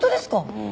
うん。